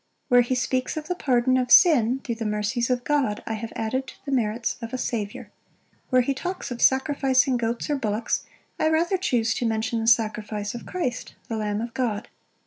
Where he speaks of the pardon of sin, through the mercies of God, I have added the merits of a Saviour. Where he talks of sacrificing goats or bullocks, I rather chuse to mention the sacrifice of Christ, the Lamb of God.